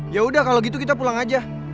yaudah kalau gitu kita pulang aja